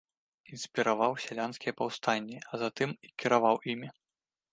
Інспіраваў сялянскія паўстанні, а затым і кіраваў імі.